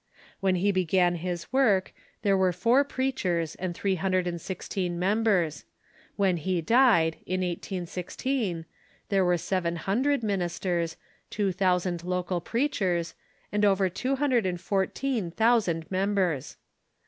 When he began his work there were four preach ers and three hundred and sixteen members; when he died, in 1816, there were seven hundred ministers, two thousand local preachers, and over two hundred and fourteen thousand mem bers.